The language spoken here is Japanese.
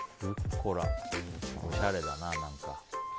おしゃれだな、何か。